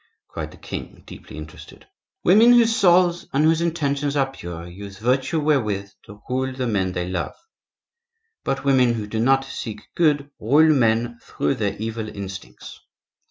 cried the king, deeply interested. "Women whose souls and whose intentions are pure use virtue wherewith to rule the men they love; but women who do not seek good rule men through their evil instincts.